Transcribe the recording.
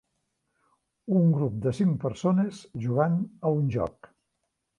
Un grup de cinc persones jugant a un joc.